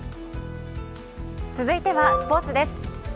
続いてはスポーツです。